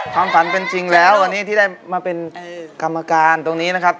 ความฝันเป็นจริงแล้ววันนี้ที่ได้มาเป็นกรรมการตรงนี้นะครับ